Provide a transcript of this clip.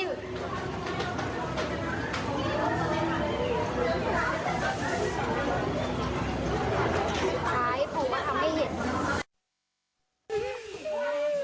คือเนี่ยจังหวะนี้เธอร้องไห้เลยนะ